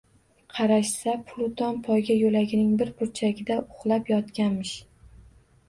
Qarashsa, Pluton poyga yoʻlagining bir burchagida uxlab yotganmish